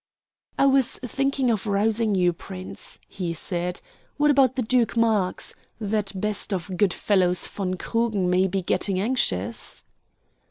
"I was thinking of rousing you, Prince," he said. "What about the Duke Marx? That best of good fellows von Krugen may be getting anxious."